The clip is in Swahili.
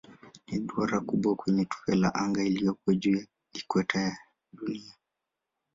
Ni duara kubwa kwenye tufe la anga iliyopo juu ya ikweta ya Dunia.